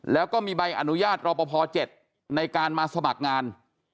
แล้วก็มีใบอนุญาตรอปภ๗ในการมาสมัครงาน